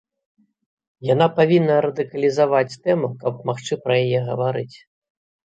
Яна павінна радыкалізаваць тэму, каб магчы пра яе гаварыць.